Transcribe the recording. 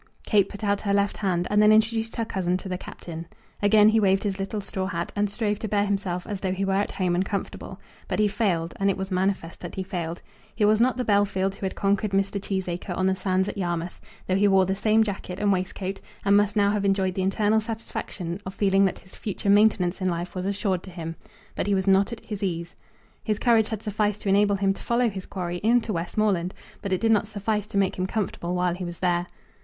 Kate put out her left hand, and then introduced her cousin to the Captain. Again he waved his little straw hat, and strove to bear himself as though he were at home and comfortable. But he failed, and it was manifest that he failed. He was not the Bellfield who had conquered Mr. Cheesacre on the sands at Yarmouth, though he wore the same jacket and waistcoat, and must now have enjoyed the internal satisfaction of feeling that his future maintenance in life was assured to him. But he was not at his ease. His courage had sufficed to enable him to follow his quarry into Westmoreland, but it did not suffice to make him comfortable while he was there.